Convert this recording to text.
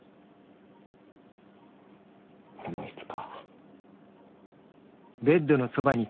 俺もいつか。